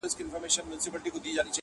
دا کمال دي د یوه جنګي نظر دی,